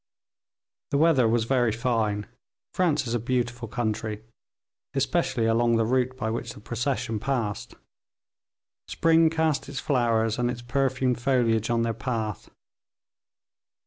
The weather was very fine. France is a beautiful country, especially along the route by which the procession passed. Spring cast its flowers and its perfumed foliage on their path.